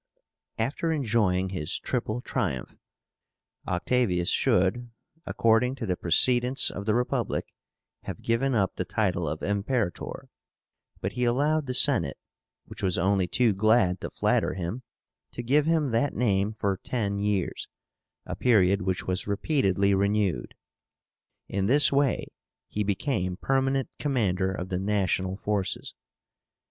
After enjoying his triple triumph, Octavius should, according to the precedents of the Republic, have given up the title of IMPERATOR; but he allowed the Senate, which was only too glad to flatter him, to give him that name for ten years, a period which was repeatedly renewed. In this way he became permanent commander of the national forces.